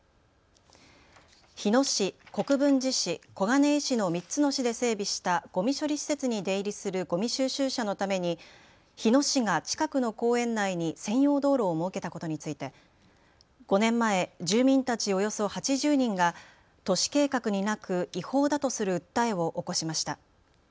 日野市、国分寺市、小金井市の３つの市で整備したごみ処理施設に出入りするごみ収集車のために日野市が近くの公園内に専用道路を設けたことについて、５年前、住民たちおよそ８０人が都市計画になく違法だとする訴えを起こしました。